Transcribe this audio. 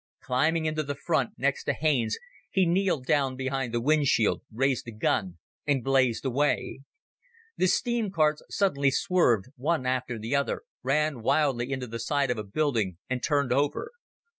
Climbing into the front, next to Haines, he kneeled down behind the windshield, raised the gun, and blazed away. The steam carts suddenly swerved, one after the other, ran wildly into the side of a building, and turned over.